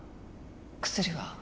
薬は？